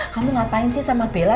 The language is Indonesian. kamu ngapain sih sama bella